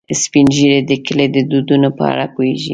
سپین ږیری د کلي د دودونو په اړه پوهیږي